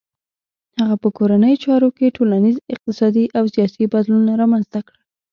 هغه په کورنیو چارو کې ټولنیز، اقتصادي او سیاسي بدلونونه رامنځته کړل.